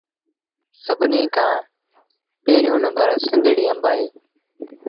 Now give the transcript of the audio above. سڀنيٚ کآݩ پيريوݩ نمبر سنڌڙيٚ آݩب اهي